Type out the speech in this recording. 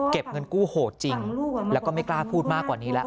เงินกู้โหดจริงแล้วก็ไม่กล้าพูดมากกว่านี้แล้ว